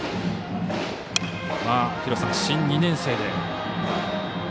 新２年生で。